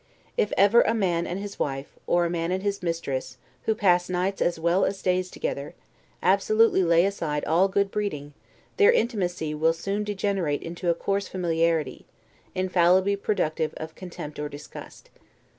If ever a man and his wife, or a man and his mistress, who pass nights as well as days together, absolutely lay aside all good breeding, their intimacy will soon degenerate into a coarse familiarity, infallibly productive of contempt or disgust.